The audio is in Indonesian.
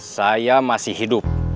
saya masih hidup